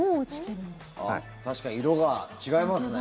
確かに色が違いますね。